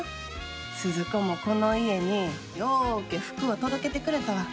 鈴子もこの家にようけ福を届けてくれたわ。